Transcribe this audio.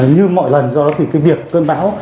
như mọi lần do đó thì việc cơn bão